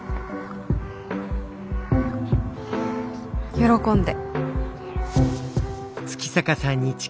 喜んで。